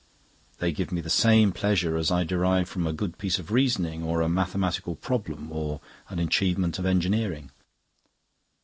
They give me the same pleasure as I derive from a good piece of reasoning or a mathematical problem or an achievement of engineering.